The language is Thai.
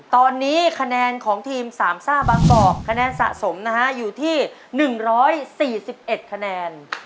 ตอนนี้คะแนนของทีมสามซ่าบางกอกคะแนนสะสมนะฮะอยู่ที่๑๔๑คะแนน